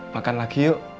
makan lagi yuk